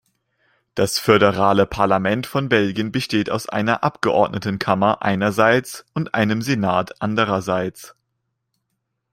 Das Föderale Parlament von Belgien besteht aus einer Abgeordnetenkammer einerseits und einem Senat andererseits.